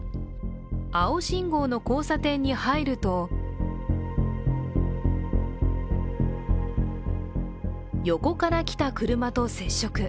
青信号の交差点に入ると横から来た車と接触。